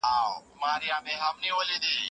شاه محمود په ډېر لږ عمر کي بریاوې ترلاسه کړې.